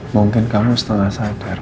mungkin kamu setengah sadar